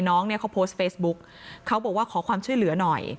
น้องเนี่ยเขาโพสต์เฟซบุ๊กเขาบอกว่าขอความช่วยเหลือหน่อย